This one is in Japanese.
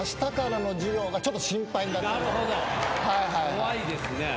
怖いですね。